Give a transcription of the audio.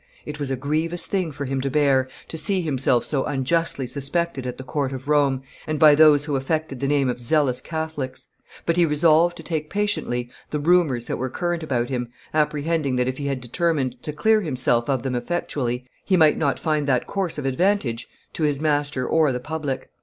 "It was a grievous thing for him to bear, to see himself so unjustly suspected at the court of Rome, and by those who affected the name of zealous Catholics; but he resolved to take patiently the rumors that were current about him, apprehending that if he had determined to clear himself of them effectually, he might not find that course of advantage to his master or the public."